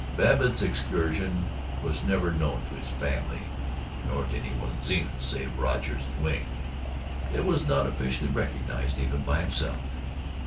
Babbitt's excursion was never known to his family, nor to any one in Zenith save Rogers and Wing. It was not officially recognized even by himself.